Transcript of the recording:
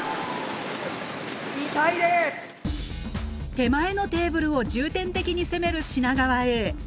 手前のテーブルを重点的に攻める品川Ａ